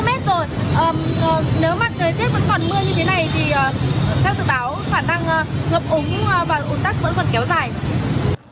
nếu mà thời tiết vẫn còn mưa như thế này theo dự báo khả năng ngập úng và ổn tắc vẫn còn kéo dài